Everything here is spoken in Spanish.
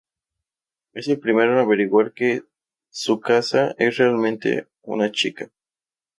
Es el primero en averiguar que Tsukasa es realmente una chica.